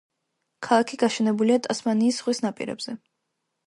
ქალაქი გაშენებულია ტასმანიის ზღვის ნაპირებზე.